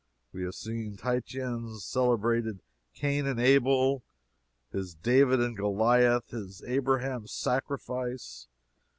We have seen Titian's celebrated Cain and Abel, his David and Goliah, his Abraham's Sacrifice.